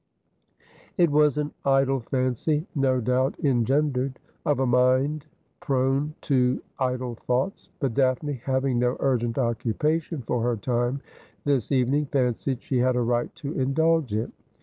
It was an idle fancy, no doubt, engendered of a mind prone to idle thoughts ; but Daphne, having no urgent occupation for her time this evening, fancied she had a right to indulge it.